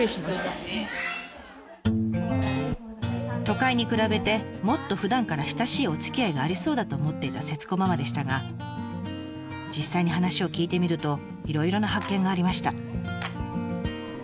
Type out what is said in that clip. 都会に比べてもっとふだんから親しいおつきあいがありそうだと思っていた節子ママでしたが実際に話を聞いてみるといろいろな発見がありました。